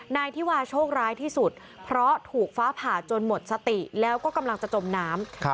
นายธิวาโชคร้ายที่สุดเพราะถูกฟ้าผ่าจนหมดสติแล้วก็กำลังจะจมน้ำ